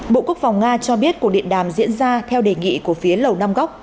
bộ quốc phòng nga cho biết cuộc điện đàm diễn ra theo đề nghị của phía lầu nam góc